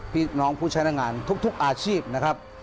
พี่น้องผู้ใช้แรงงานทุกอาชีพนะครับ